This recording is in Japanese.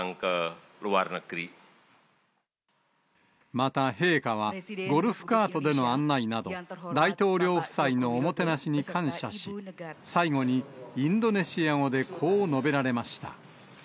また陛下は、ゴルフカートでの案内など、大統領夫妻のおもてなしに感謝し、最後に、インドネシア語でこう述べられました。